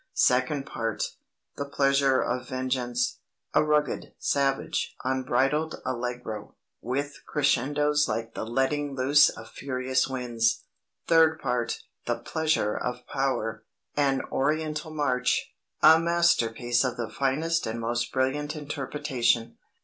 "Second Part: The pleasure of Vengeance a rugged, savage, unbridled Allegro, with crescendos like the letting loose of furious winds. "Third Part: The Pleasure of Power an Oriental march. A masterpiece of the finest and most brilliant interpretation.